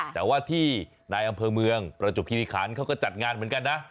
แต่ว่าที่นายอำเภอเมืองประจบคิริคันเขาก็จัดงานเหมือนกันนะ